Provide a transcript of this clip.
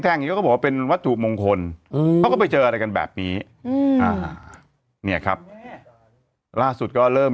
ก็แต่ว่าเป็นวัตถุมงคลเขาก็ไปเจอกันแบบนี้เนี่ยครับล่าสุดก็เริ่ม